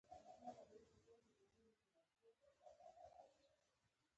غیرتمند د شهید ویاړ ساتي